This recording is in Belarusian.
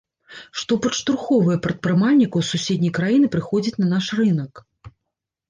Што падштурхоўвае прадпрымальнікаў з суседняй краіны прыходзіць на наш рынак.